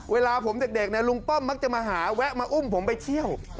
เวลาผมเด็กลุงป้อมมักจะมาหาแวะมาอุ้มผมไปเที่ยว